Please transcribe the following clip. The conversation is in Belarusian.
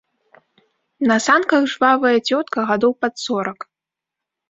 На санках жвавая цётка гадоў пад сорак.